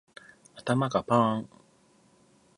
頭がパーン